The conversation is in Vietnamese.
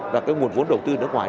và cái nguồn vốn đầu tư nước ngoài